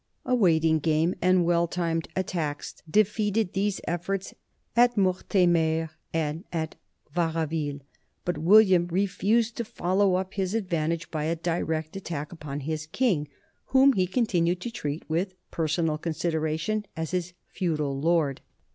A waiting game and well timed attacks defeated these efforts at Mortemer and at Varaville, but William refused to follow up his advantage by a direct attack upon his king, whom he continued to treat with personal con sideration as his feudal lord.